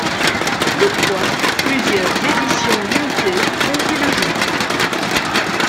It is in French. Toutefois, plusieurs éditions limitées ont vu le jour.